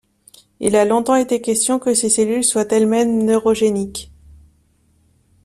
Il a longtemps été question que ces cellules soient elles-mêmes neurogéniques.